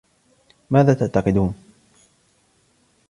ماذا تعتقدون ؟